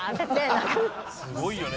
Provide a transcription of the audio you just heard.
これすごいよね。